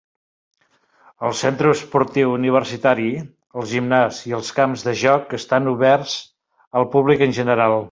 El centre esportiu universitari, el gimnàs i els camps de joc estan oberts al públic en general.